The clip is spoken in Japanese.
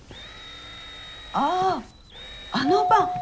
あああの晩。